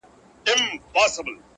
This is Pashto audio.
هغې په نيمه شپه ډېـــــوې بلــــي كړې.